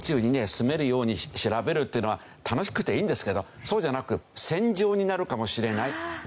住めるように調べるというのは楽しくていいんですけどそうじゃなく戦場になるかもしれないという事なんですよ。